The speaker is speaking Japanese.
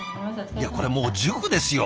いやこれもう塾ですよ。